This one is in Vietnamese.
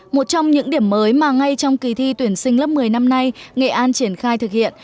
một trong những điểm mới mà ngay trong kỳ thi tuyển sinh lớp một mươi năm nay nghệ an triển khai thực hiện